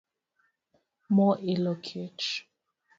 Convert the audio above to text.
Mo ilo kich